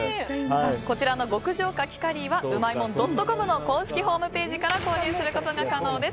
こちらの極上かきカリーはうまいもんドットコムの公式ホームページから購入することが可能です。